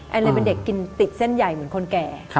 เลยเป็นเด็กกินติดเส้นใหญ่เหมือนคนแก่